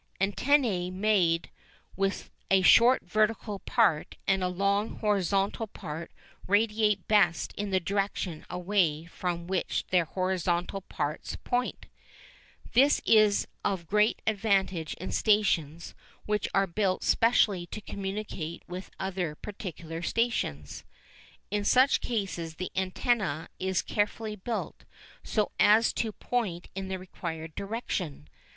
Antennæ made with a short vertical part and a long horizontal part radiate best in the direction away from which their horizontal part points. This is of great advantage in stations which are built specially to communicate with other particular stations. In such cases the antenna is carefully built, so as to point in the required direction.